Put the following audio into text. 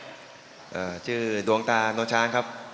อ่าชื่อดวงตาน้องช้างครับ